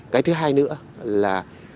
cái thứ hai nữa là